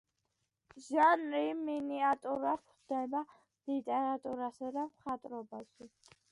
ჟანრი მინიატურა გვხვდება ლიტერატურასა და მხატვრობაში.